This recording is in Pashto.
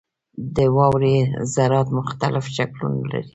• د واورې ذرات مختلف شکلونه لري.